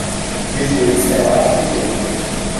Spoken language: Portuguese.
Depois ela aprendeu